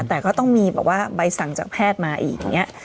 แต่ก็ต้องมีแบบว่าใบสั่งจากแพทย์มาอีกอย่างนี้